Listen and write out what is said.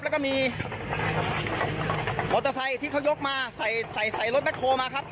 แล้วก็มีมอเตอร์ไซค์ที่เขายกมาใส่ใส่รถแคลมาครับ